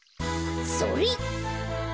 それ！